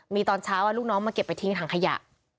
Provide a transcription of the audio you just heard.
มีตอนเช้าลูกน้องมาเก็บไปทิ้งถังขยะ